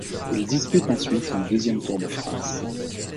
Il dispute ensuite son deuxième Tour de France.